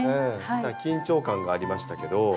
だから緊張感がありましたけど。